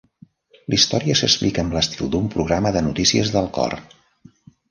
La història s'explica amb l'estil de un programa de notícies del cor.